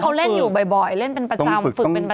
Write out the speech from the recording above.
เขาเล่นอยู่บ่อยเล่นเป็นประจำฝึกเป็นบ่อย